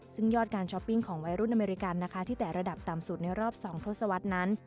ซึ่งยอดการช้อปปิ้งของวัยรุ่นอเมริกันนะคะที่แต่ระดับต่ำสุดในรอบ๒ทศวรรษนั้น